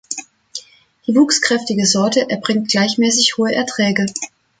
Die wuchskräftige Sorte erbringt gleichmäßig hohe Erträge.